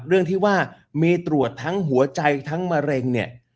เรื่องที่ว่ามีตรวจทั้งหัวใจทั้งมะเร็งเนี่ย